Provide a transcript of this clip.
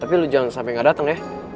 tapi lo jangan sampe gak dateng ya